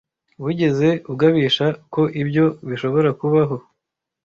Wigeze ugabisha ko ibyo bishobora kubaho?